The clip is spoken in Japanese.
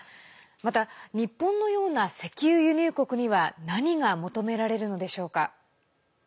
また日本のような石油輸入国には何が求められるのでしょうか。